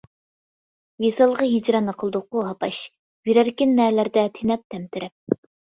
ۋىسالغا ھىجراننى قىلدۇققۇ ھاپاش، يۈرەركىن نەلەردە تېنەپ-تەمتىرەپ.